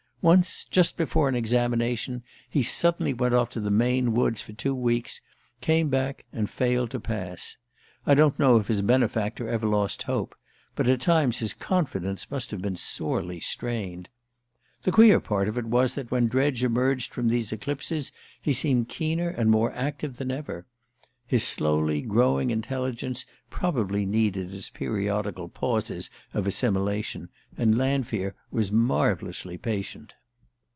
Once, just before an examination, he suddenly went off to the Maine woods for two weeks, came back, and failed to pass. I don't know if his benefactor ever lost hope; but at times his confidence must have been sorely strained. The queer part of it was that when Dredge emerged from these eclipses he seemed keener and more active than ever. His slowly growing intelligence probably needed its periodical pauses of assimilation; and Lanfear was marvellously patient.